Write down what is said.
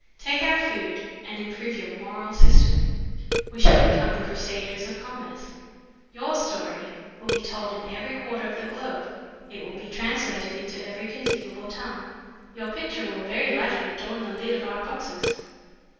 'Take our food and improve your moral system.' We shall become the crusaders of commerce. Your story will be told in every quarter of the globe, it will be translated into every conceivable tongue. Your picture will very likely adorn the lid of our boxes.